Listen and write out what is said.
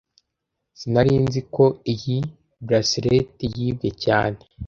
Sinari nzi ko iyi bracelet yibwe cyane